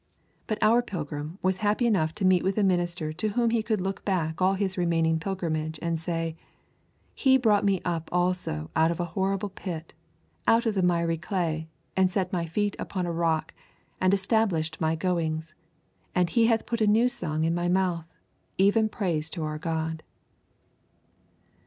But our pilgrim was happy enough to meet with a minister to whom he could look back all his remaining pilgrimage and say: 'He brought me up also out of an horrible pit, out of the miry clay, and set my feet upon a rock, and established my goings. And he hath put a new song in my mouth, even praise to our God.'